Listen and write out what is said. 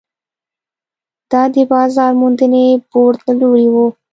دا د بازار موندنې بورډ له لوري وو.